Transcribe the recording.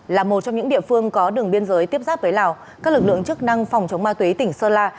là một trong những địa phương có đường biên giới tiếp giáp với lào các lực lượng chức năng phòng chống ma túy tỉnh sơn la